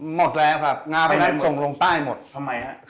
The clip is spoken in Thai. หมดแล้วครับงาใบนั้นส่งลงใต้หมดทำไมฮะ